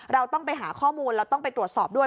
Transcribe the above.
เราต้องไปหาข้อมูลเราต้องไปตรวจสอบด้วย